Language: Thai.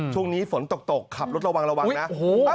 ช่วงนี้ฝนตกขับรถระวังนะ